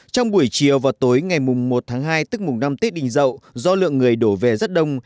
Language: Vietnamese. trong buổi chiều và tối ngày một tháng hai tức mùng năm tết đình dậu do lượng người đổ về rất đông